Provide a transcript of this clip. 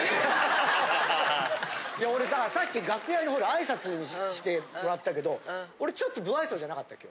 いや俺だからさっき楽屋でほら挨拶してもらったけど俺ちょっと不愛想じゃなかったっけ？